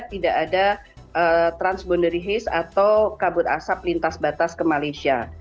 tidak ada transboundary hase atau kabut asap lintas batas ke malaysia